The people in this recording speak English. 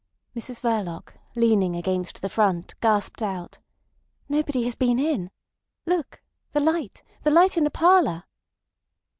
Mrs Verloc, leaning against the front, gasped out: "Nobody has been in. Look! The light—the light in the parlour."